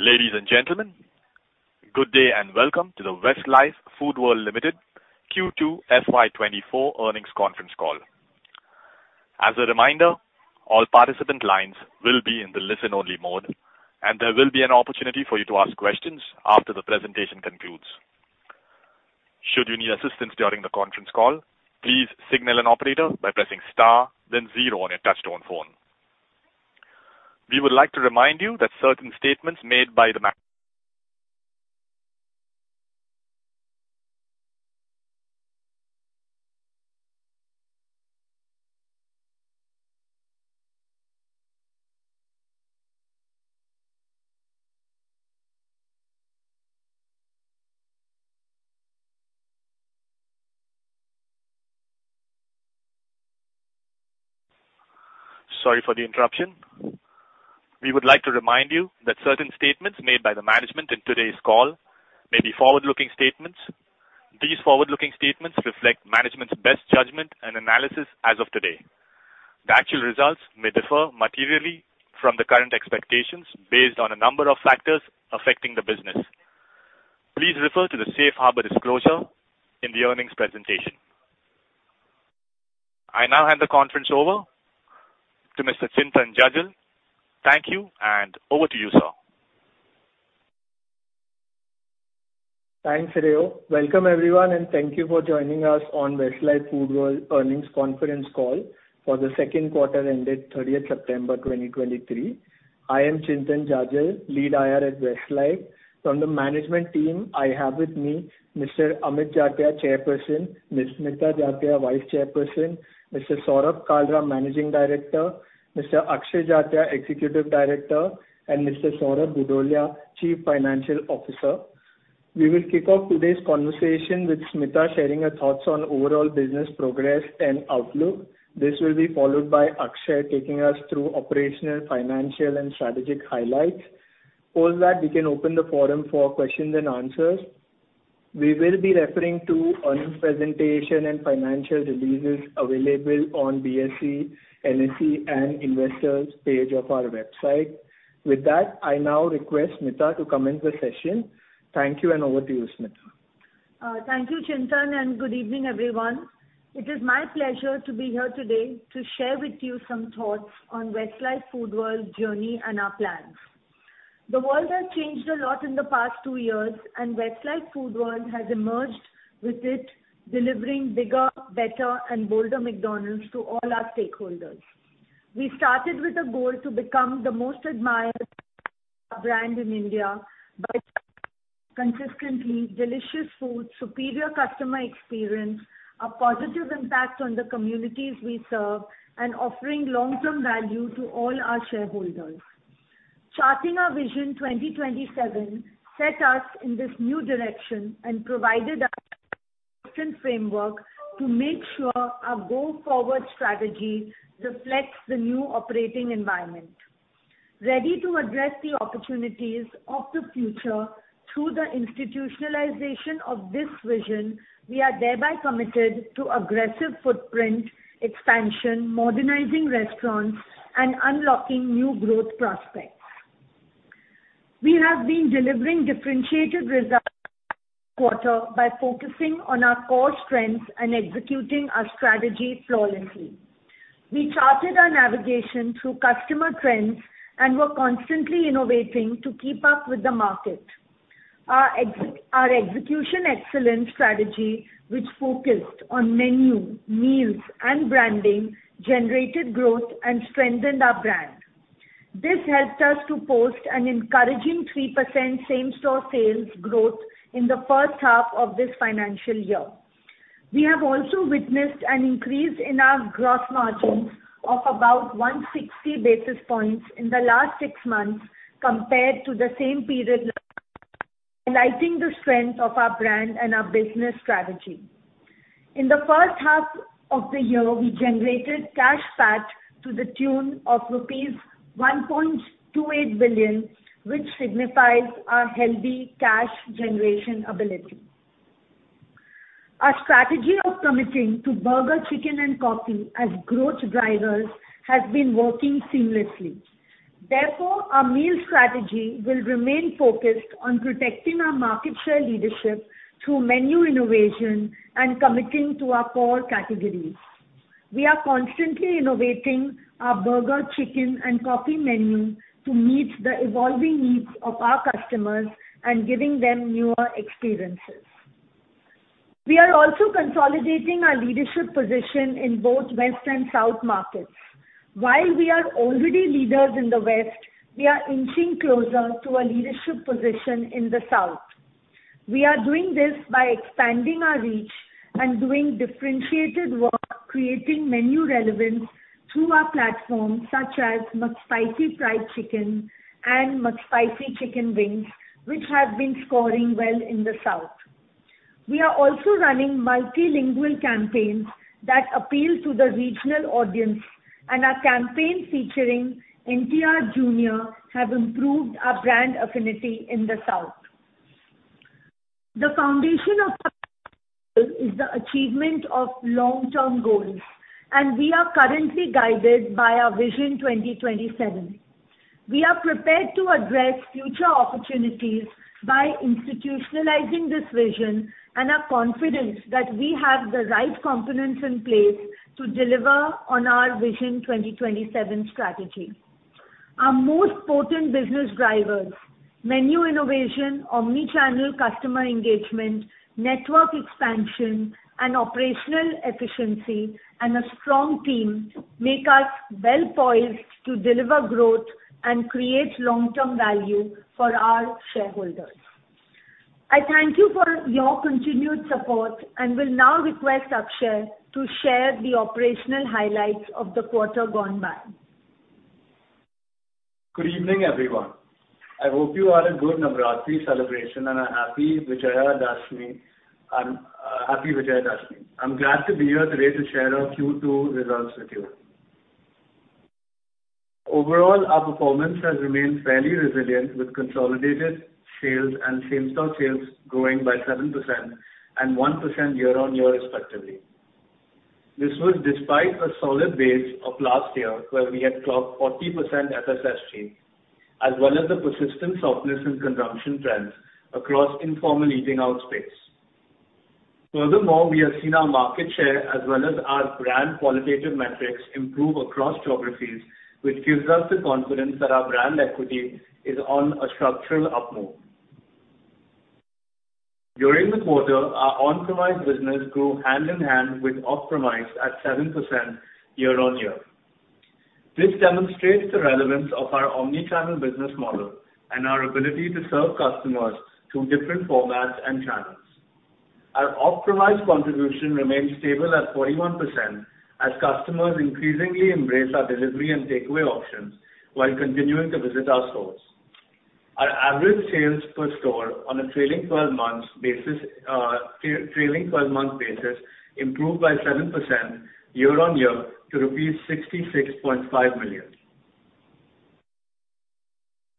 Ladies and gentlemen, good day, and welcome to the Westlife Foodworld Limited Q2 FY24 Earnings Conference Call. As a reminder, all participant lines will be in the listen-only mode, and there will be an opportunity for you to ask questions after the presentation concludes. Should you need assistance during the conference call, please signal an operator by pressing star then zero on your touchtone phone. We would like to remind you that certain statements made by the management in today's call may be forward-looking statements. These forward-looking statements reflect management's best judgment and analysis as of today. The actual results may differ materially from the current expectations based on a number of factors affecting the business. Please refer to the Safe Harbor disclosure in the earnings presentation. I now hand the conference over to Mr. Chintan Jajal. Thank you, and over to you, sir. Thanks, Leo. Welcome, everyone, and thank you for joining us on Westlife Foodworld Earnings Conference Call for the Q2 ended 30 September, 2023. I am Chintan Jajal, Head IR at Westlife. From the management team, I have with me Mr. Amit Jatia, Chairperson, Ms. Smita Jatia, Vice Chairperson, Mr. Saurabh Kalra, Managing Director, Mr. Akshay Jatia, Executive Director, and Mr. Saurabh Bhudolia, Chief Financial Officer. We will kick off today's conversation with Smita sharing her thoughts on overall business progress and outlook. This will be followed by Akshay taking us through operational, financial, and strategic highlights. After all that, we can open the forum for questions and answers. We will be referring to earnings presentation and financial releases available on BSE, NSE, and Investors page of our website. With that, I now request Smita to commence the session. Thank you, and over to you, Smita. Thank you, Chintan, and good evening, everyone. It is my pleasure to be here today to share with you some thoughts on Westlife Foodworld journey and our plans. The world has changed a lot in the past two years, and Westlife Foodworld has emerged with it, delivering bigger, better, and bolder McDonald's to all our stakeholders. We started with a goal to become the most admired brand in India by consistently delicious food, superior customer experience, a positive impact on the communities we serve, and offering long-term value to all our shareholders. Charting our vision 2027 set us in this new direction and provided us a framework to make sure our go-forward strategy reflects the new operating environment. Ready to address the opportunities of the future through the institutionalization of this vision, we are thereby committed to aggressive footprint expansion, modernizing restaurants, and unlocking new growth prospects. We have been delivering differentiated results quarter by quarter by focusing on our core strengths and executing our strategy flawlessly. We charted our navigation through customer trends and were constantly innovating to keep up with the market. Our execution excellence strategy, which focused on menu, meals, and branding, generated growth and strengthened our brand. This helped us to post an encouraging 3% same-store sales growth in the H1 of this financial year. We have also witnessed an increase in our gross margins of about 160 basis points in the last six months compared to the same period, highlighting the strength of our brand and our business strategy. In the H1 of the year, we generated cash PAT to the tune of rupees 1.28 billion, which signifies our healthy cash generation ability. Our strategy of committing to burger, chicken, and coffee as growth drivers has been working seamlessly. Therefore, our meal strategy will remain focused on protecting our market share leadership through menu innovation and committing to our core categories. We are constantly innovating our burger, chicken, and coffee menu to meet the evolving needs of our customers and giving them newer experiences. We are also consolidating our leadership position in both West and South markets. While we are already leaders in the West, we are inching closer to a leadership position in the South. We are doing this by expanding our reach and doing differentiated work, creating menu relevance through our platform, such as McSpicy Fried Chicken and McSpicy Chicken Wings, which have been scoring well in the South. We are also running multilingual campaigns that appeal to the regional audience, and our campaign featuring NTR Junior have improved our brand affinity in the South.... The foundation of is the achievement of long-term goals, and we are currently guided by our Vision 2027. We are prepared to address future opportunities by institutionalizing this vision, and are confident that we have the right components in place to deliver on our Vision 2027 strategy. Our most potent business drivers: menu innovation, omni-channel customer engagement, network expansion, and operational efficiency, and a strong team, make us well-poised to deliver growth and create long-term value for our shareholders. I thank you for your continued support, and will now request Akshay to share the operational highlights of the quarter gone by. Good evening, everyone. I hope you had a good Navratri celebration and a happy Vijaya Dashami, happy Vijay Dashami. I'm glad to be here today to share our Q2 results with you. Overall, our performance has remained fairly resilient, with consolidated sales and same-store sales growing by 7% and 1% year-on-year, respectively. This was despite a solid base of last year, where we had clocked 40% SSSG, as well as the persistent softness in consumption trends across informal eating out space. Furthermore, we have seen our market share, as well as our brand qualitative metrics, improve across geographies, which gives us the confidence that our brand equity is on a structural upmode. During the quarter, our on-premise business grew hand-in-hand with off-premise, at 7% year-on-year. This demonstrates the relevance of our omni-channel business model and our ability to serve customers through different formats and channels. Our Off-Premise contribution remained stable at 41%, as customers increasingly embrace our delivery and takeaway options, while continuing to visit our stores. Our average sales per store on a trailing twelve-month basis improved by 7% year-on-year to rupees 66.5 million.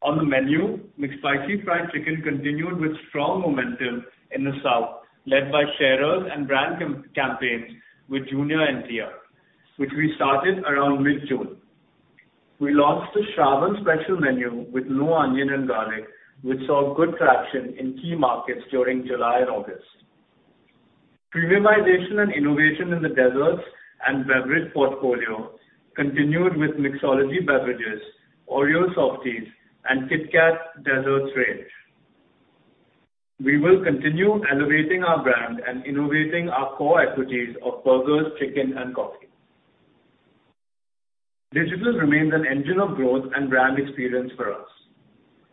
On the menu, McSpicy Fried Chicken continued with strong momentum in the south, led by sharers and brand campaigns with Junior NTR, which we started around mid-June. We launched the Shravan Special Menu with no onion and garlic, which saw good traction in key markets during July and August. Premiumization and innovation in the desserts and beverage portfolio continued with Mixology Beverages, Oreo Softies, and KitKat Desserts range. We will continue elevating our brand and innovating our core equities of burgers, chicken, and coffee. Digital remains an engine of growth and brand experience for us.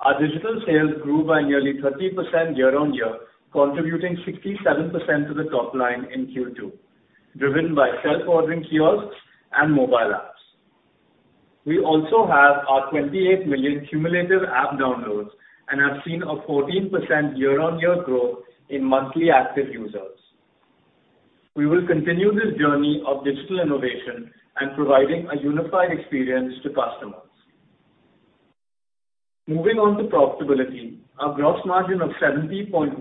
Our digital sales grew by nearly 30% year-on-year, contributing 67% to the top line in Q2, driven by self-ordering kiosks and mobile apps. We also have our 28 million cumulative app downloads and have seen a 14% year-on-year growth in monthly active users. We will continue this journey of digital innovation and providing a unified experience to customers. Moving on to profitability, our gross margin of 70.1%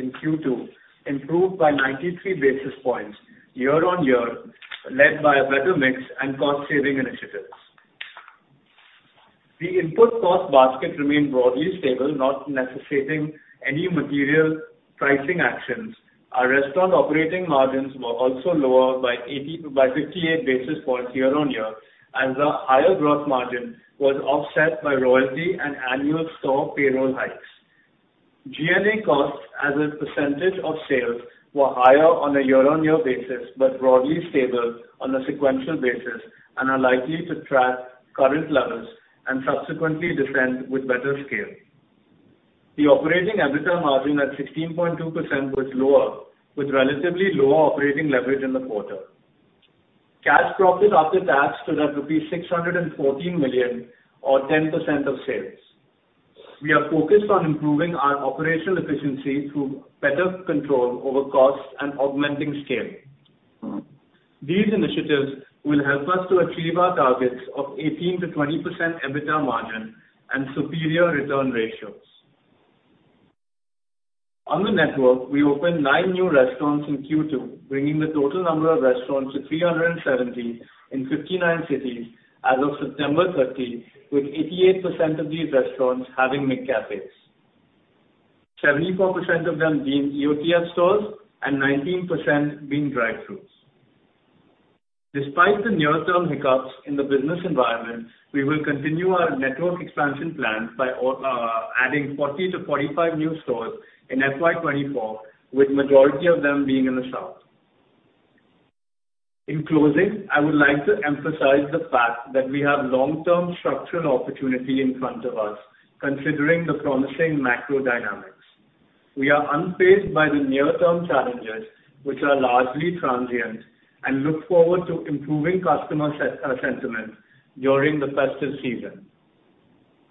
in Q2 improved by 93 basis points year-on-year, led by a better mix and cost-saving initiatives. The input cost basket remained broadly stable, not necessitating any material pricing actions. Our restaurant operating margins were also lower by fifty-eight basis points year-on-year, as our higher growth margin was offset by royalty and annual store payroll hikes. G&A costs as a percentage of sales were higher on a year-on-year basis, but broadly stable on a sequential basis, and are likely to track current levels and subsequently descend with better scale. The operating EBITDA margin at 16.2% was lower, with relatively lower operating leverage in the quarter. Cash profit after tax stood at rupees 614 million, or 10% of sales. We are focused on improving our operational efficiency through better control over costs and augmenting scale. These initiatives will help us to achieve our targets of 18%-20% EBITDA margin and superior return ratios. On the network, we opened 9 new restaurants in Q2, bringing the total number of restaurants to 370 in 59 cities as of September 30, with 88% of these restaurants having McCafés, 74% of them being EOTF stores and 19% being drive-thrus. Despite the near-term hiccups in the business environment, we will continue our network expansion plans by adding 40-45 new stores in FY 2024, with majority of them being in the South. In closing, I would like to emphasize the fact that we have long-term structural opportunity in front of us, considering the promising macro dynamics. We are unfazed by the near-term challenges, which are largely transient, and look forward to improving customer sentiment during the festive season.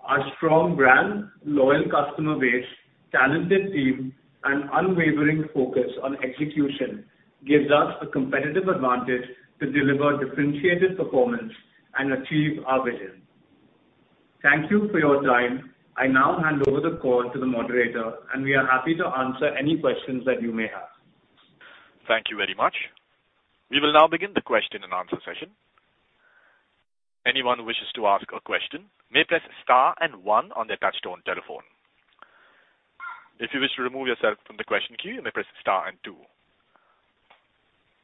Our strong brand, loyal customer base, talented team, and unwavering focus on execution gives us a competitive advantage to deliver differentiated performance and achieve our vision. Thank you for your time. I now hand over the call to the moderator, and we are happy to answer any questions that you may have. Thank you very much. We will now begin the question and answer session. Anyone who wishes to ask a question may press star and one on their touchtone telephone. If you wish to remove yourself from the question queue, you may press star and two.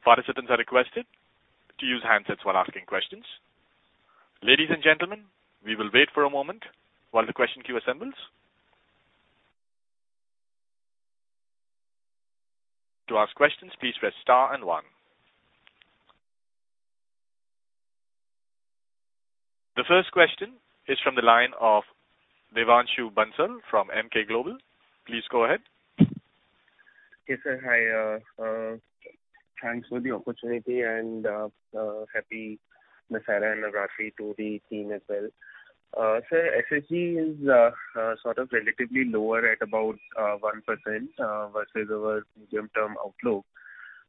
Participants are requested to use handsets while asking questions. Ladies and gentlemen, we will wait for a moment while the question queue assembles. To ask questions, please press star and one. The first question is from the line of Devanshu Bansal from Emkay Global. Please go ahead. Okay, sir. Hi, thanks for the opportunity and happy Dussehra and Navratri to the team as well. Sir, SSG is sort of relatively lower at about 1%, versus our medium-term outlook.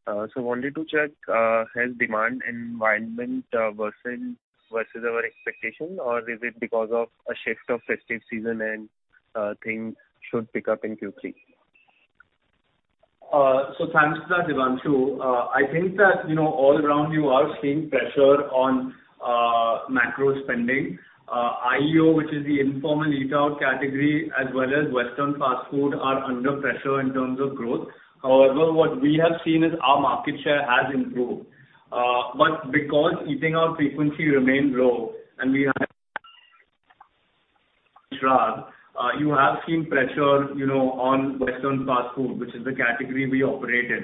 So wanted to check, has demand environment worsened versus our expectation, or is it because of a shift of festive season and things should pick up in Q3? So thanks for that, Devanshu. I think that, you know, all around you are seeing pressure on, macro spending. IEO, which is the informal eat-out category, as well as western fast food, are under pressure in terms of growth. However, what we have seen is our market share has improved. But because eating out frequency remained low and we have you have seen pressure, you know, on western fast food, which is the category we operate in.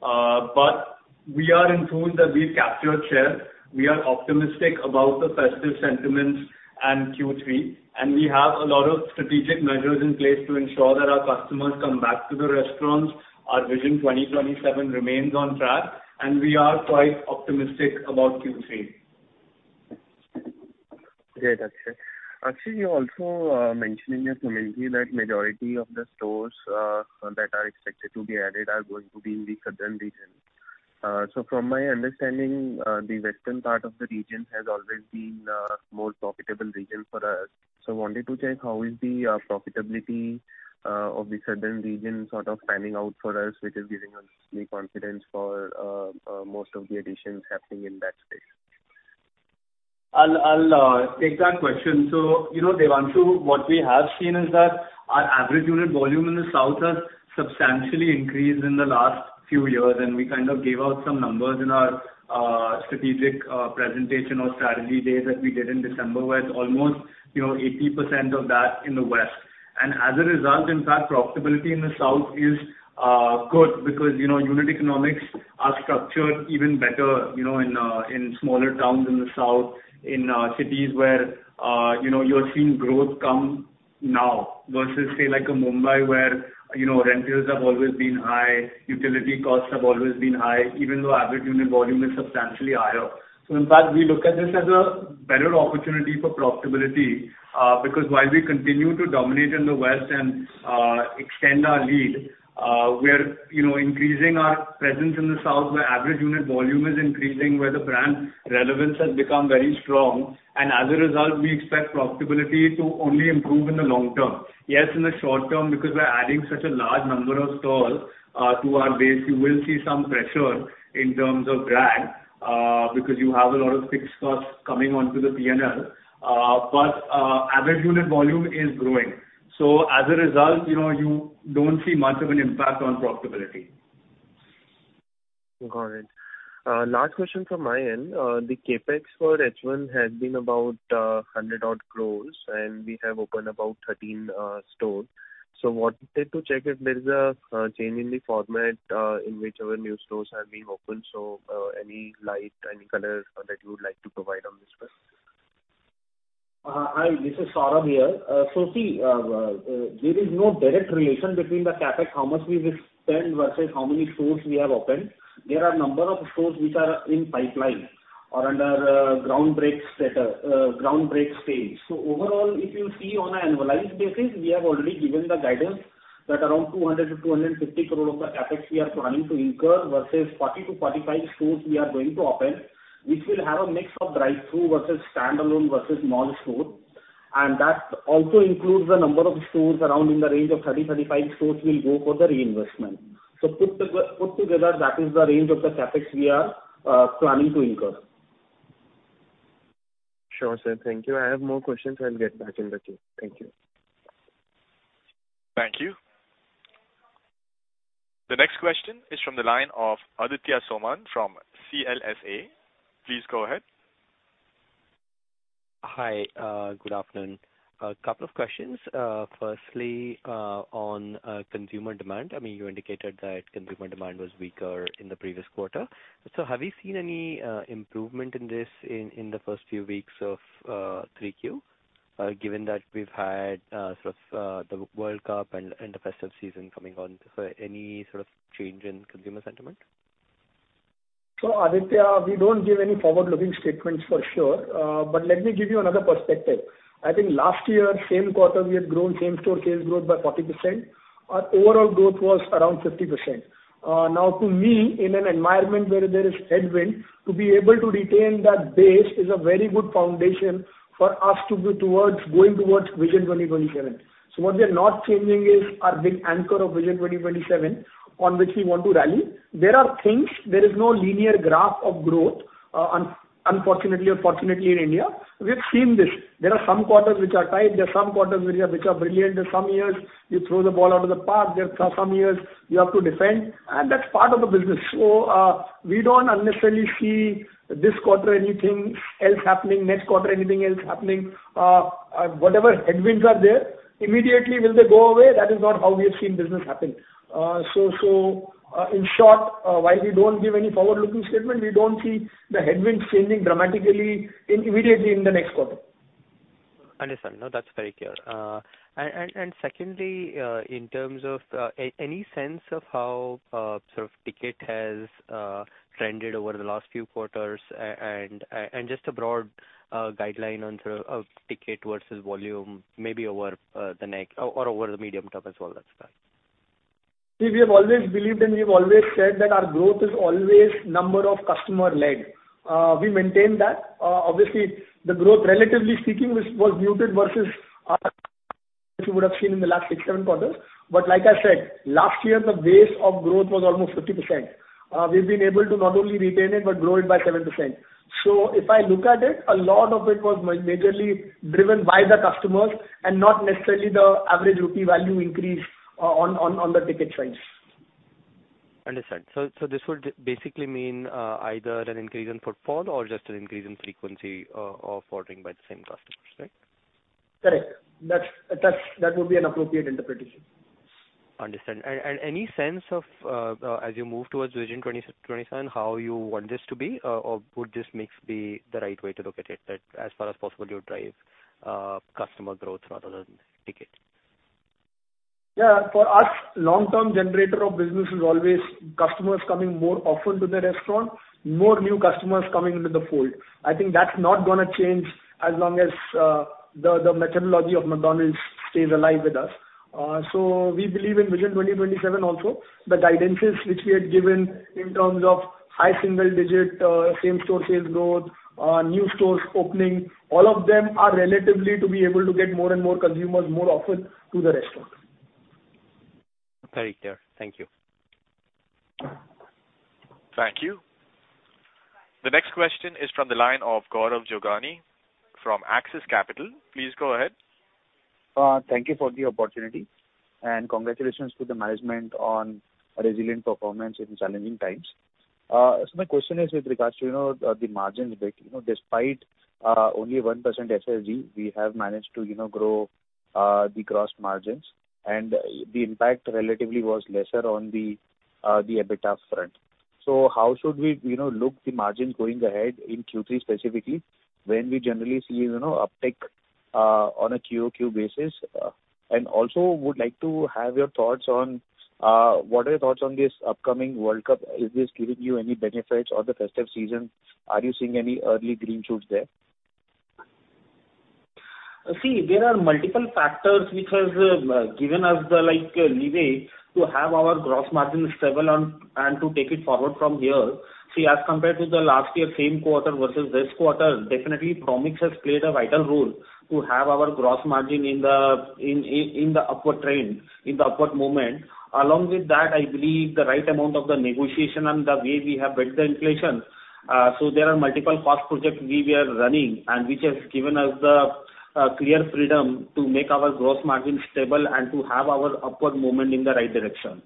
But we are informed that we've captured share. We are optimistic about the festive sentiments and Q3, and we have a lot of strategic measures in place to ensure that our customers come back to the restaurants. Our Vision 2027 remains on track, and we are quite optimistic about Q3. Great. That's it. Actually, you're also mentioning in your commentary that majority of the stores that are expected to be added are going to be in the southern region. So from my understanding, the western part of the region has always been more profitable region for us. So wanted to check, how is the profitability of the southern region sort of panning out for us, which is giving us the confidence for most of the additions happening in that space? I'll take that question. So, you know, Devanshu, what we have seen is that our average unit volume in the south has substantially increased in the last few years, and we kind of gave out some numbers in our strategic presentation or strategy day that we did in December, where it's almost, you know, 80% of that in the west. And as a result, in fact, profitability in the south is good because, you know, unit economics are structured even better, you know, in smaller towns in the south, in cities where, you know, you're seeing growth come now versus, say, like a Mumbai, where, you know, rentals have always been high, utility costs have always been high, even though average unit volume is substantially higher. So in fact, we look at this as a better opportunity for profitability, because while we continue to dominate in the West and extend our lead, we are, you know, increasing our presence in the South, where average unit volume is increasing, where the brand relevance has become very strong, and as a result, we expect profitability to only improve in the long term. Yes, in the short term, because we're adding such a large number of stores to our base, you will see some pressure in terms of GRAG, because you have a lot of fixed costs coming onto the PNL. But average unit volume is growing. So as a result, you know, you don't see much of an impact on profitability. Got it. Last question from my end. The CapEx for H1 has been about 100 odd crores, and we have opened about 13 stores. Wanted to check if there is a change in the format in which our new stores are being opened. Any light, any color that you would like to provide on this question? Hi, this is Saurabh here. So see, there is no direct relation between the CapEx, how much we will spend versus how many stores we have opened. There are a number of stores which are in pipeline or under groundbreaking stage. So overall, if you see on an annualized basis, we have already given the guidance that around 200-250 crore of the CapEx we are planning to incur versus 40-45 stores we are going to open, which will have a mix of drive-through versus standalone versus mall stores. And that also includes the number of stores around in the range of 30-35 stores will go for the reinvestment. So put together, that is the range of the CapEx we are planning to incur. Sure, sir. Thank you. I have more questions. I'll get back in the queue. Thank you. Thank you. The next question is from the line of Aditya Soman from CLSA. Please go ahead. Hi, good afternoon. A couple of questions. Firstly, on consumer demand. I mean, you indicated that consumer demand was weaker in the previous quarter. So have you seen any improvement in this in the first few weeks of 3Q, given that we've had sort of the World Cup and the festive season coming on? So any sort of change in consumer sentiment? So, Aditya, we don't give any forward-looking statements for sure, but let me give you another perspective. I think last year, same quarter, we had grown same-store sales growth by 40%. Our overall growth was around 50%. Now, to me, in an environment where there is headwind, to be able to retain that base is a very good foundation for us to be towards going towards Vision 2027. So what we are not changing is our big anchor of Vision 2027, on which we want to rally. There are things, there is no linear graph of growth, unfortunately or fortunately, in India, we've seen this. There are some quarters which are tight, there are some quarters which are brilliant. In some years, you throw the ball out of the park, there are some years you have to defend, and that's part of the business. We don't necessarily see this quarter anything else happening, next quarter, anything else happening. Whatever headwinds are there, immediately will they go away? That is not how we have seen business happen. In short, while we don't give any forward-looking statement, we don't see the headwinds changing dramatically immediately in the next quarter. Understood. No, that's very clear. And secondly, in terms of any sense of how sort of ticket has trended over the last few quarters? And just a broad guideline on sort of ticket versus volume, maybe over the next or over the medium term as well, that's fine. We have always believed, and we've always said that our growth is always number of customer-led. We maintain that. Obviously, the growth, relatively speaking, was muted versus as you would have seen in the last six, seven quarters. But like I said, last year, the base of growth was almost 50%. We've been able to not only retain it, but grow it by 7%. So if I look at it, a lot of it was majorly driven by the customers and not necessarily the average rupee value increase on the ticket size. Understood. So this would basically mean either an increase in footfall or just an increase in frequency of ordering by the same customers, right? Correct. That's, that would be an appropriate interpretation. Understood. And any sense of, as you move towards Vision 2027, how you want this to be? Or would this mix be the right way to look at it, that as far as possible, you'll drive customer growth rather than tickets? Yeah. For us, long-term generator of business is always customers coming more often to the restaurant, more new customers coming into the fold. I think that's not gonna change as long as the methodology of McDonald's stays alive with us. So we believe in Vision 2027 also. The guidances which we had given in terms of high single digit same-store sales growth, new stores opening, all of them are relatively to be able to get more and more consumers more often to the restaurant. Very clear. Thank you. Thank you. The next question is from the line of Gaurav Jogani from Axis Capital. Please go ahead. Thank you for the opportunity, and congratulations to the management on a resilient performance in challenging times. So my question is with regards to, you know, the, the margins. You know, despite only 1% SSG, we have managed to, you know, grow, uh, the gross margins, and the impact relatively was lesser on the, uh, the EBITDA front. So how should we, you know, look the margins going ahead in Q3 specifically, when we generally see, you know, uptick, uh, on a QOQ basis? And also would like to have your thoughts on, uh... What are your thoughts on this upcoming World Cup? Is this giving you any benefits or the festive season? Are you seeing any early green shoots there? See, there are multiple factors which has given us the, like, leeway to have our gross margin stable and to take it forward from here. See, as compared to the last year, same quarter versus this quarter, definitely promo mix has played a vital role to have our gross margin in the upward trend, in the upward moment. Along with that, I believe the right amount of the negotiation and the way we have built the inflation. So there are multiple cost projects we were running and which has given us the clear freedom to make our gross margin stable and to have our upward moment in the right direction.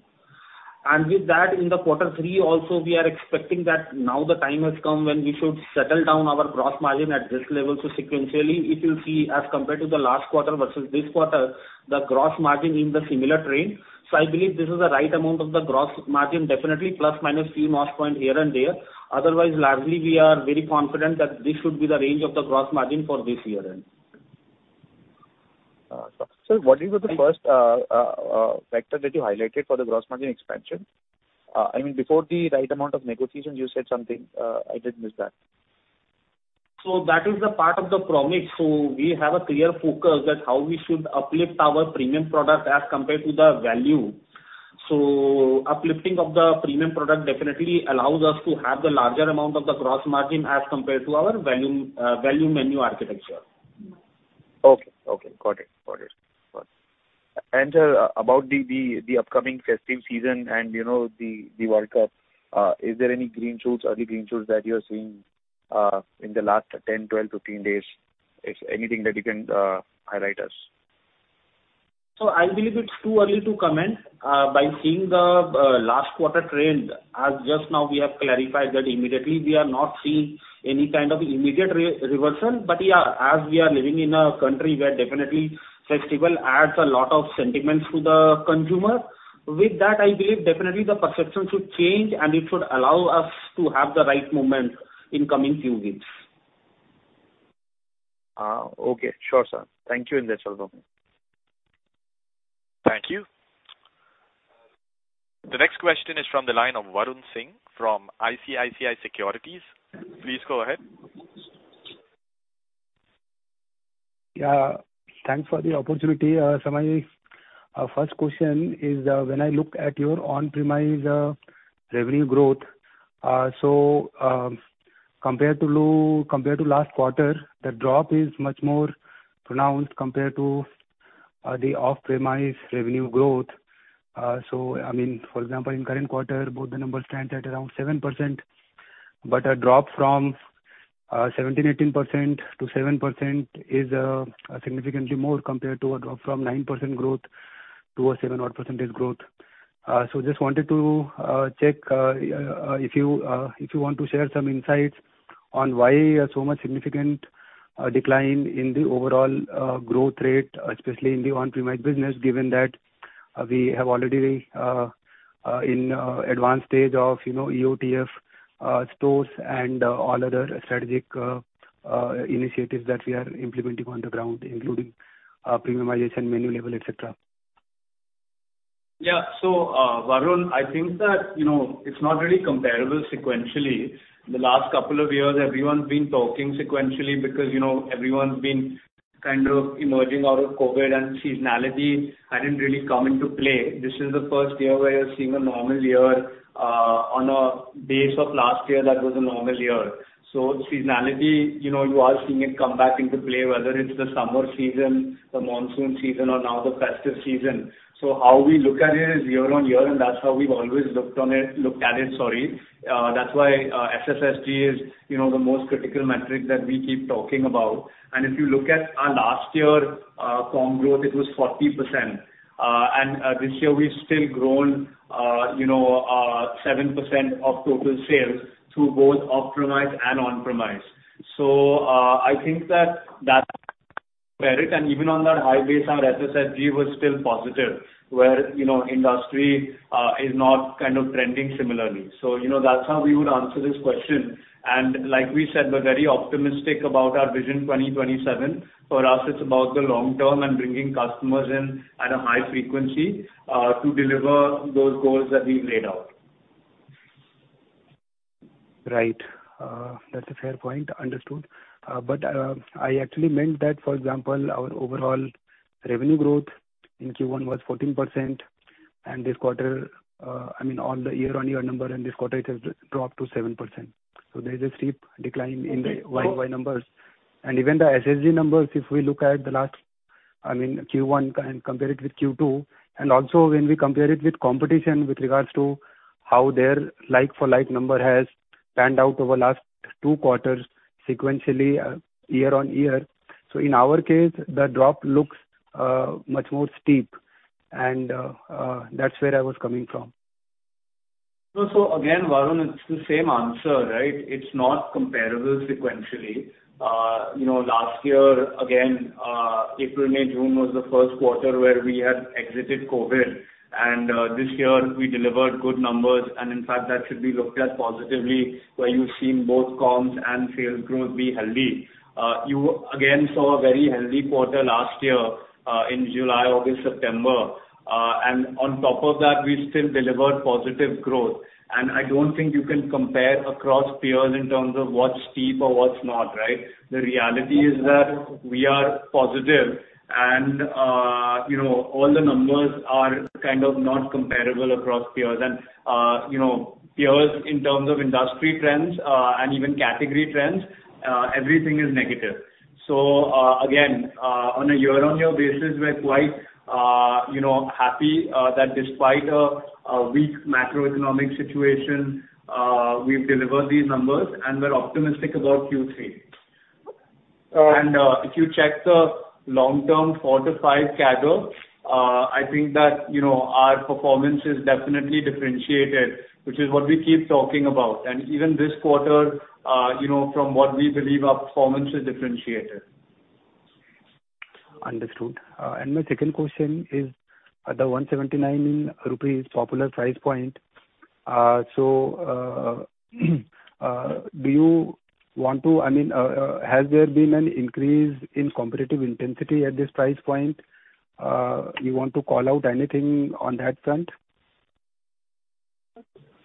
With that, in the quarter three also, we are expecting that now the time has come when we should settle down our gross margin at this level. So sequentially, if you see, as compared to the last quarter versus this quarter, the gross margin in the similar trend. So I believe this is the right amount of the gross margin, definitely plus or minus 3 margin points here and there. Otherwise, largely, we are very confident that this should be the range of the gross margin for this year end. So what is the first factor that you highlighted for the gross margin expansion? I mean, before the right amount of negotiation, you said something, I did miss that. That is the part of the promo mix. We have a clear focus on how we should uplift our premium product as compared to the value. Uplifting of the premium product definitely allows us to have the larger amount of the gross margin as compared to our value menu architecture. Okay, okay. Got it. Got it. Got it. And about the upcoming festive season and, you know, the World Cup, is there any green shoots, early green shoots that you are seeing in the last 10, 12, 15 days? If anything that you can highlight us. I believe it's too early to comment. By seeing the last quarter trend, as just now, we have clarified that immediately, we are not seeing any kind of immediate reversal. But yeah, as we are living in a country where definitely festival adds a lot of sentiments to the consumer, with that, I believe definitely the perception should change, and it should allow us to have the right moment in coming few weeks. Okay. Sure, sir. Thank you in this problem. Thank you. The next question is from the line of Varun Singh from ICICI Securities. Please go ahead. Yeah, thanks for the opportunity, so my first question is, when I look at your on-premise revenue growth, so, compared to last quarter, the drop is much more pronounced compared to the off-premise revenue growth. So I mean, for example, in current quarter, both the numbers stand at around 7%, but a drop from 17%-18% to 7% is significantly more compared to a drop from 9% growth to a seven-odd percentage growth. Just wanted to check if you want to share some insights on why so much significant decline in the overall growth rate, especially in the on-premise business, given that we have already in advanced stage of, you know, EOTF stores and all other strategic initiatives that we are implementing on the ground, including premiumization, menu level, et cetera. Yeah. So, Varun, I think that, you know, it's not really comparable sequentially. The last couple of years, everyone's been talking sequentially because, you know, everyone's been kind of emerging out of COVID, and seasonality hadn't really come into play. This is the first year where you're seeing a normal year, on a base of last year, that was a normal year. So seasonality, you know, you are seeing it come back into play, whether it's the summer season, the monsoon season, or now the festive season. So how we look at it is year on year, and that's how we've always looked on it, looked at it, sorry. That's why, SSSG is, you know, the most critical metric that we keep talking about. And if you look at our last year, comp growth, it was 40%. And, this year, we've still grown, you know, 7% of total sales through both off-premise and on-premise. So, I think that, that where it, and even on that high base, our SSSG was still positive, where, you know, industry is not kind of trending similarly. So, you know, that's how we would answer this question. And like we said, we're very optimistic about our Vision 2027. For us, it's about the long term and bringing customers in at a high frequency, to deliver those goals that we've laid out. Right. That's a fair point. Understood. But, I actually meant that, for example, our overall revenue growth in Q1 was 14%, and this quarter, I mean, on the year-on-year number, and this quarter it has dropped to 7%. So there's a steep decline in the YY numbers. And even the SSG numbers, if we look at the last, I mean, Q1 and compare it with Q2, and also when we compare it with competition with regards to how their like-for-like number has panned out over the last two quarters, sequentially, year-on-year. So in our case, the drop looks much more steep, and that's where I was coming from. So, so again, Varun, it's the same answer, right? It's not comparable sequentially. You know, last year, again, April, May, June was the Q1 where we had exited COVID, and, this year we delivered good numbers, and in fact, that should be looked at positively, where you've seen both comps and sales growth be healthy. You again, saw a very healthy quarter last year, in July, August, September. And on top of that, we still delivered positive growth. And I don't think you can compare across peers in terms of what's steep or what's not, right? The reality is that we are positive, and, you know, all the numbers are kind of not comparable across peers. And, you know, peers in terms of industry trends, and even category trends, everything is negative. So, again, on a year-on-year basis, we're quite, you know, happy that despite a weak macroeconomic situation, we've delivered these numbers, and we're optimistic about Q3. And, if you check the long-term 4-5 CAGR, I think that, you know, our performance is definitely differentiated, which is what we keep talking about. And even this quarter, you know, from what we believe, our performance is differentiated. Understood. My second question is the 179 rupees popular price point. So, do you want to—I mean, has there been an increase in competitive intensity at this price point? You want to call out anything on that front?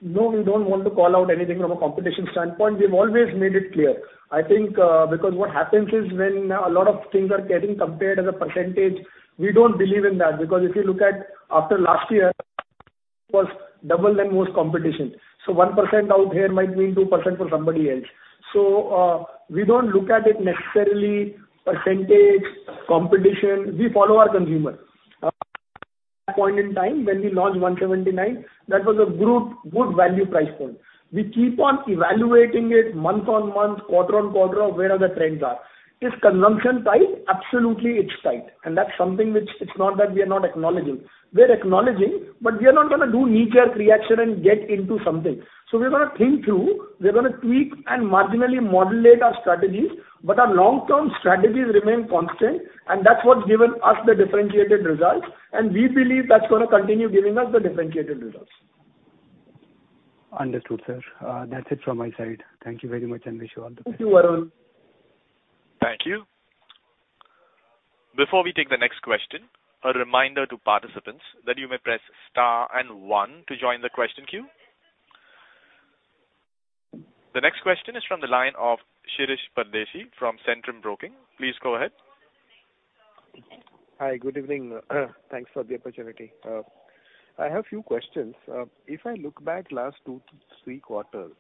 No, we don't want to call out anything from a competition standpoint. We've always made it clear. I think, because what happens is, when a lot of things are getting compared as a percentage, we don't believe in that, because if you look at after last year, was double than most competition. So 1% out here might mean 2% for somebody else. So, we don't look at it necessarily percentage, competition, we follow our consumer. Point in time when we launched 179, that was a good value price point. We keep on evaluating it month-on-month, quarter-on-quarter, of where the trends are. Is consumption tight? Absolutely, it's tight. And that's something which it's not that we are not acknowledging. We're acknowledging, but we are not gonna do knee-jerk reaction and get into something. We're gonna think through, we're gonna tweak and marginally modulate our strategies, but our long-term strategies remain constant, and that's what's given us the differentiated results, and we believe that's gonna continue giving us the differentiated results. Understood, sir. That's it from my side. Thank you very much, and wish you all the best. Thank you, Varun. Thank you. Before we take the next question, a reminder to participants that you may press star and one to join the question queue. The next question is from the line of Shirish Pardeshi from Centrum Broking. Please go ahead. Hi, good evening. Thanks for the opportunity. I have a few questions. If I look back last two to three quarters,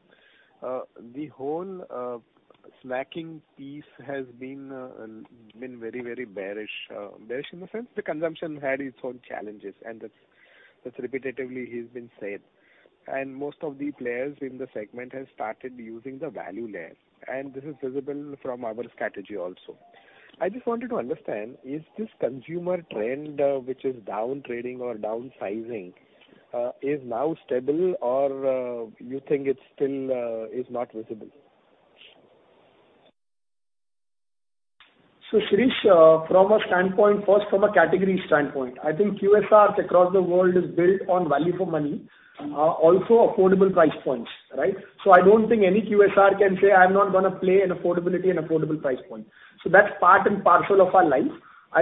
the whole snacking piece has been been very, very bearish. Bearish in the sense the consumption had its own challenges, and that's repetitively has been said. And most of the players in the segment have started using the value layer, and this is visible from our strategy also. I just wanted to understand, is this consumer trend, which is down trading or downsizing, is now stable or you think it's still is not visible? So, Shirish, from a standpoint, first, from a category standpoint, I think QSRs across the world is built on value for money, also affordable price points, right? So I don't think any QSR can say, "I'm not gonna play in affordability and affordable price point." So that's part and parcel of our life.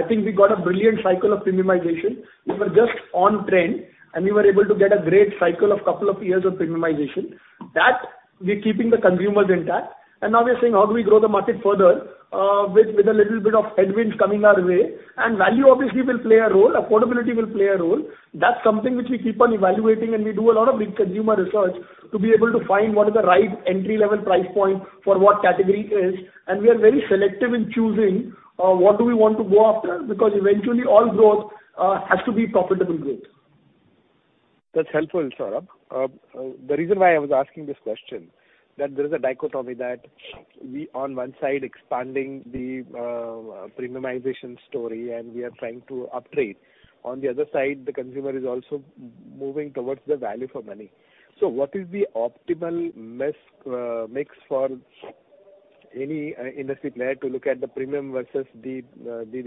I think we got a brilliant cycle of premiumization. We were just on trend, and we were able to get a great cycle of couple of years of premiumization. That, we're keeping the consumers intact. And now we are saying: How do we grow the market further, with a little bit of headwinds coming our way? And value obviously will play a role, affordability will play a role. That's something which we keep on evaluating, and we do a lot of consumer research to be able to find what is the right entry-level price point for what category is. And we are very selective in choosing what do we want to go after, because eventually all growth has to be profitable growth. That's helpful, Saurabh. The reason why I was asking this question, that there is a dichotomy that we, on one side, expanding the premiumization story, and we are trying to upgrade. On the other side, the consumer is also moving towards the value for money. So what is the optimal mix, mix for any industry player to look at the premium versus the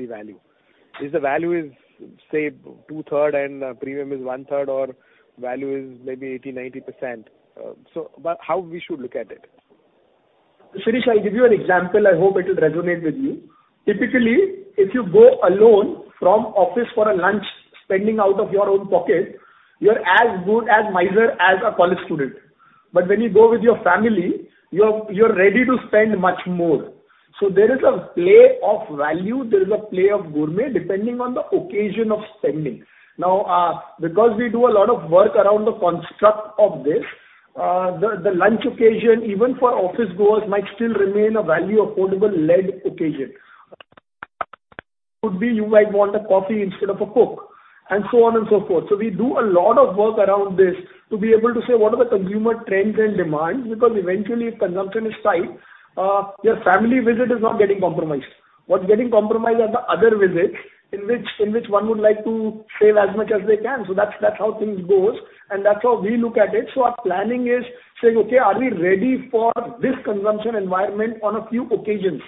value? Is the value, say, two-thirds and premium is one-third, or value is maybe 80%-90%? So but how we should look at it? Shirish, I'll give you an example. I hope it will resonate with you. Typically, if you go alone from office for a lunch, spending out of your own pocket, you're as good as miser as a college student. But when you go with your family, you're ready to spend much more. So there is a play of value, there is a play of gourmet, depending on the occasion of spending. Now, because we do a lot of work around the construct of this, the lunch occasion, even for office goers, might still remain a value affordable lead occasion. Could be you might want a coffee instead of a coke, and so on and so forth. So we do a lot of work around this to be able to say, what are the consumer trends and demands? Because eventually consumption is tight. Your family visit is not getting compromised. What's getting compromised are the other visits, in which, in which one would like to save as much as they can. So that's, that's how things goes, and that's how we look at it. So our planning is saying, Okay, are we ready for this consumption environment on a few occasions.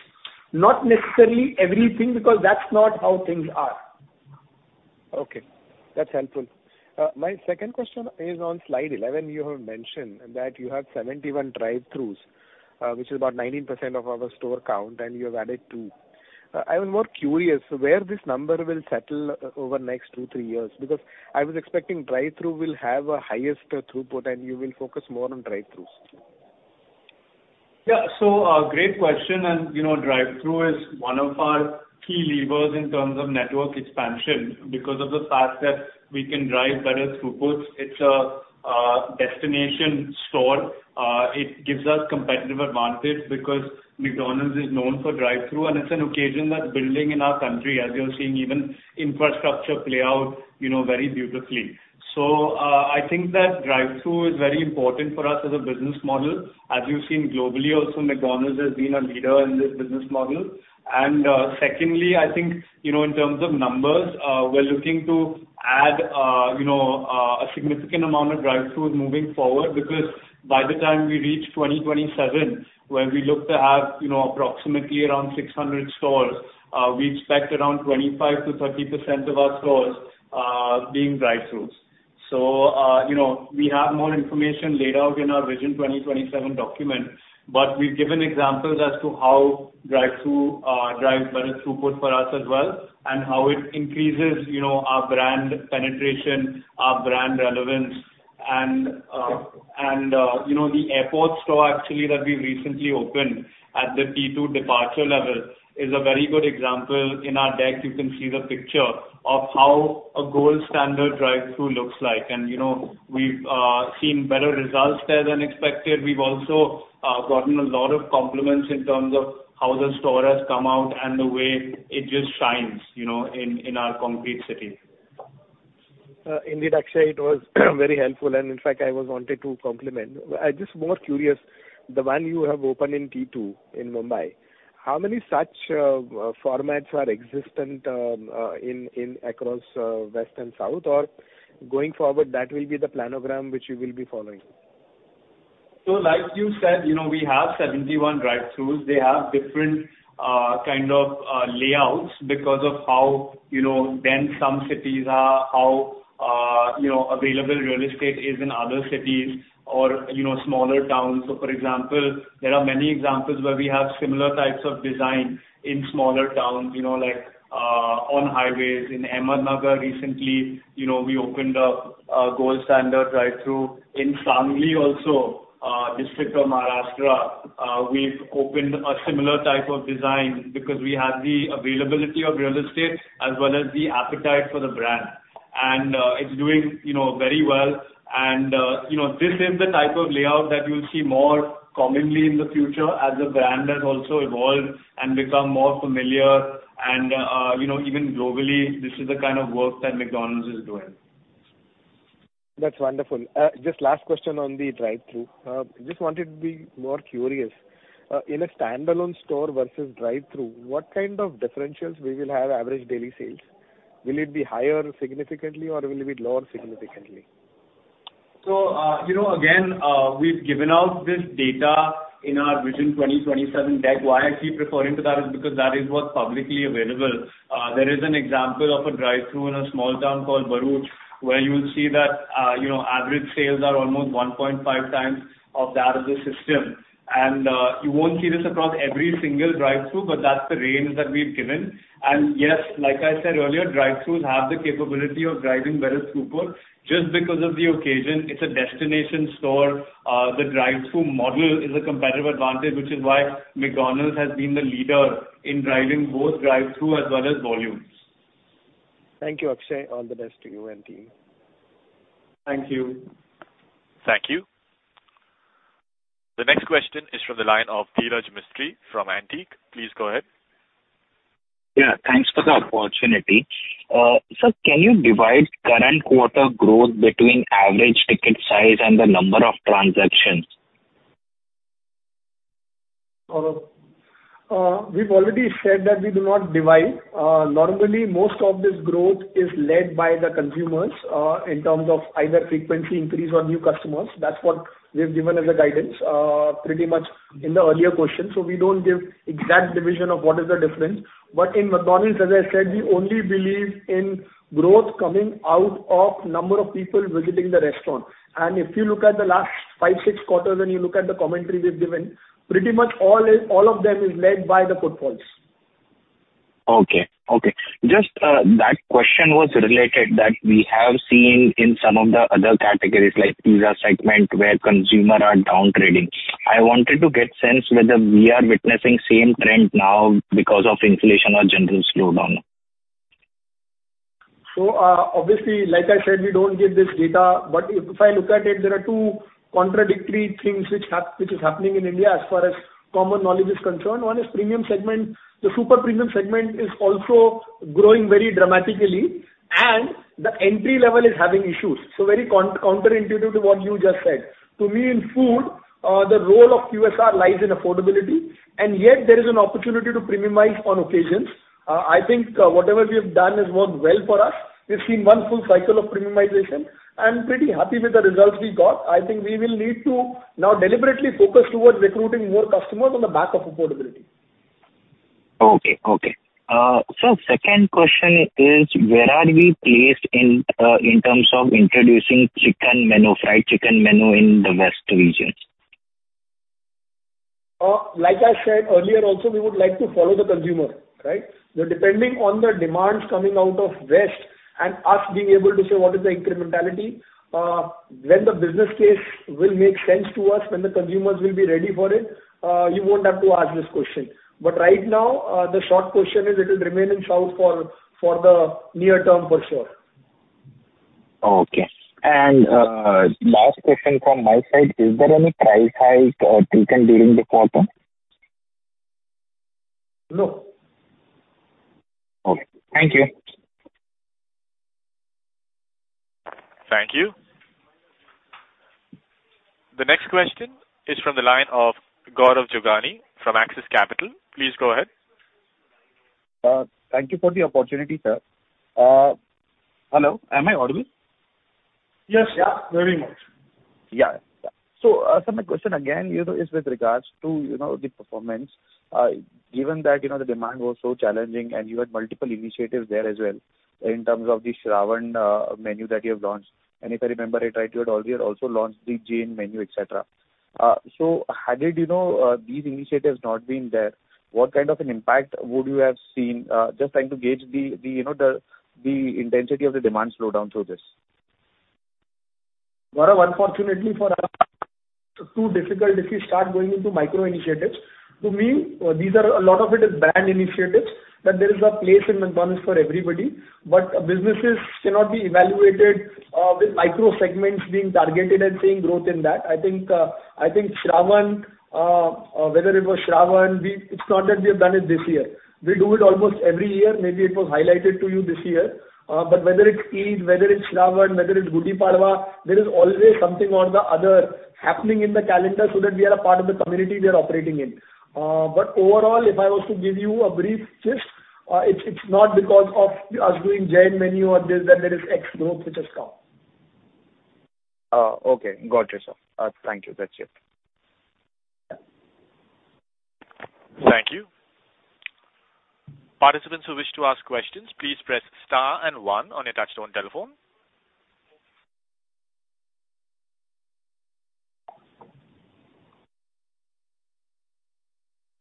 Not necessarily everything, because that's not how things are. Okay, that's helpful. My second question is: on slide 11, you have mentioned that you have 71 drive-thrus, which is about 19% of our store count, and you have added two. I'm more curious, where this number will settle, over the next 2-3 years? Because I was expecting drive-through will have a highest, throughput, and you will focus more on drive-thrus. Yeah. So, great question. You know, drive-through is one of our key levers in terms of network expansion, because of the fact that we can drive better throughputs. It's a destination store. It gives us competitive advantage because McDonald's is known for drive-through, and it's an occasion that's building in our country, as you're seeing even infrastructure play out, you know, very beautifully. So, I think that drive-through is very important for us as a business model. As you've seen globally, also, McDonald's has been a leader in this business model. Secondly, I think, you know, in terms of numbers, we're looking to add a significant amount of drive-thrus moving forward. Because by the time we reach 2027, when we look to have, you know, approximately around 600 stores, we expect around 25%-30% of our stores being drive-thrus. So, you know, we have more information laid out in our Vision 2027 document, but we've given examples as to how drive-through drives better throughput for us as well, and how it increases, you know, our brand penetration, our brand relevance. And, you know, the airport store actually that we recently opened at the T2 departure level is a very good example. In our deck, you can see the picture of how a gold standard drive-through looks like. And, you know, we've seen better results there than expected. We've also gotten a lot of compliments in terms of how the store has come out and the way it just shines, you know, in our concrete city. Indeed, Akshay, it was very helpful, and in fact, I was wanted to compliment. I'm just more curious, the one you have opened in T2 in Mumbai, how many such formats are existent, in across West and South? Or going forward, that will be the planogram which you will be following? So like you said, you know, we have 71 drive-thrus. They have different kind of layouts because of how, you know, dense some cities are, how, you know, available real estate is in other cities or, you know, smaller towns. So, for example, there are many examples where we have similar types of design in smaller towns, you know, like, on highways. In Ahmednagar recently, you know, we opened up a gold standard drive-thru. In Sangli also, district of Maharashtra, we've opened a similar type of design because we had the availability of real estate as well as the appetite for the brand. And, you know, this is the type of layout that you'll see more commonly in the future as the brand has also evolved and become more familiar. You know, even globally, this is the kind of work that McDonald's is doing. That's wonderful. Just last question on the drive-thru. Just wanted to be more curious. In a standalone store versus drive-thru, what kind of differentials we will have average daily sales? Will it be higher significantly, or will it be lower significantly? You know, again, we've given out this data in our Vision 2027 deck. Why I keep referring to that is because that is what's publicly available. There is an example of a drive-thru in a small town called Bharuch, where you will see that, you know, average sales are almost 1.5 times of that of the system. You won't see this across every single drive-thru, but that's the range that we've given. Yes, like I said earlier, drive-thrus have the capability of driving better throughput. Just because of the occasion, it's a destination store, the drive-thru model is a competitive advantage, which is why McDonald's has been the leader in driving both drive-thru as well as volumes. Thank you, Akshay. All the best to you and team. Thank you. Thank you. The next question is from the line of Dhiraj Mistry from Antique. Please go ahead. Yeah, thanks for the opportunity. Sir, can you divide current quarter growth between average ticket size and the number of transactions? We've already said that we do not divide. Normally, most of this growth is led by the consumers, in terms of either frequency increase or new customers. That's what we've given as a guidance, pretty much in the earlier question. So we don't give exact division of what is the difference. But in McDonald's, as I said, we only believe in growth coming out of number of people visiting the restaurant. And if you look at the last five, six quarters, and you look at the commentary we've given, pretty much all is, all of them is led by the footfalls. Okay, okay. Just, that question was related that we have seen in some of the other categories, like pizza segment, where consumer are down trading. I wanted to get sense whether we are witnessing same trend now because of inflation or general slowdown. So, obviously, like I said, we don't give this data, but if I look at it, there are two contradictory things which is happening in India as far as common knowledge is concerned. One is premium segment. The super premium segment is also growing very dramatically, and the entry level is having issues. So very counterintuitive to what you just said. To me, in food, the role of QSR lies in affordability, and yet there is an opportunity to premiumize on occasions. I think, whatever we have done has worked well for us. We've seen one full cycle of premiumization. I'm pretty happy with the results we got. I think we will need to now deliberately focus towards recruiting more customers on the back of affordability. Okay, okay. So second question is: where are we placed in, in terms of introducing chicken menu, fried chicken menu in the West Regions? Like I said earlier also, we would like to follow the consumer, right? So depending on the demands coming out of west and us being able to say what is the incrementality, when the business case will make sense to us, when the consumers will be ready for it, you won't have to ask this question. But right now, the short question is it will remain in south for the near term for sure. Okay. Last question from my side: Is there any price hike taken during the quarter? No. Okay. Thank you. Thank you. The next question is from the line of Gaurav Jogani from Axis Capital. Please go ahead. Thank you for the opportunity, sir. Hello, am I audible? Yes. Yeah. Very much. Yeah. So, so my question again, you know, is with regards to, you know, the performance. Given that, you know, the demand was so challenging and you had multiple initiatives there as well, in terms of the Shravan menu that you have launched, and if I remember it right, you had earlier also launched the Jain menu, et cetera. So had it, you know, these initiatives not been there, what kind of an impact would you have seen? Just trying to gauge, the, you know, the intensity of the demand slowdown through this. Gaurav, unfortunately for us, it's too difficult if you start going into micro initiatives. To me, these are a lot of it is brand initiatives, that there is a place in McDonald's for everybody. But businesses cannot be evaluated, with micro segments being targeted and seeing growth in that. I think, I think Shravan, whether it was Shravan, it's not that we have done it this year. We do it almost every year. Maybe it was highlighted to you this year. But whether it's Eid, whether it's Shravan, whether it's Gudi Padwa, there is always something or the other happening in the calendar so that we are a part of the community we are operating in. But overall, if I was to give you a brief gist, it's not because of us doing Jain menu or this, that there is X growth which has come. Okay. Got you, sir. Thank you. That's it. Thank you. Participants who wish to ask questions, please press star and one on your touchtone telephone.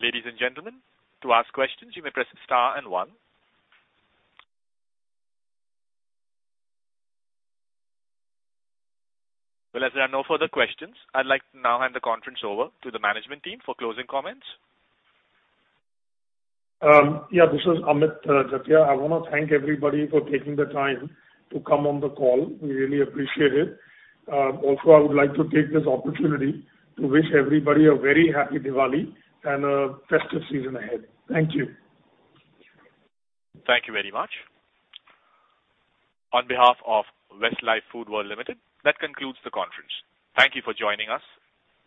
Ladies and gentlemen, to ask questions, you may press star and one. Well, as there are no further questions, I'd like to now hand the conference over to the management team for closing comments. Yeah, this is Amit Jatia. I wanna thank everybody for taking the time to come on the call. We really appreciate it. Also, I would like to take this opportunity to wish everybody a very happy Diwali and a festive season ahead. Thank you. Thank you very much. On behalf of Westlife Foodworld Limited, that concludes the conference. Thank you for joining us,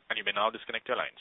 and you may now disconnect your lines.